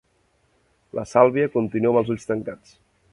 La Sàlvia continua amb els ulls tancats.